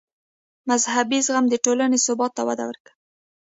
مذهبي زغم د ټولنې ثبات ته وده ورکوي.